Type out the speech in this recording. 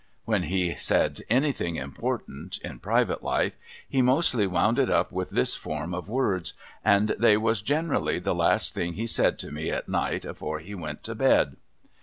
When he said anything important, in private life, he mostly wound it up with this form of words, and they was generally the last thing he said to me at night afore he went to bed.